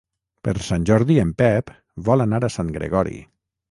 Per Sant Jordi en Pep vol anar a Sant Gregori.